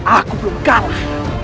aku belum kalah